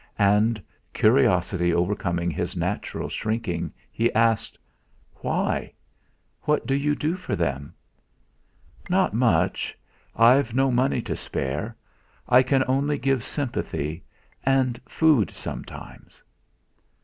And, curiosity overcoming his natural shrinking, he asked: "Why? What do you do for them?" "Not much. I've no money to spare. I can only give sympathy and food sometimes."